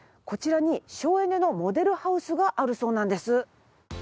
こちらに省エネのモデルハウスがあるそうなんです。